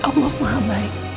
allah maha baik